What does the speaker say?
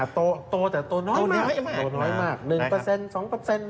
โตแต่โตน้อยมากโตน้อยมาก